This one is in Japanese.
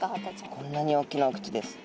こんなに大きなお口です。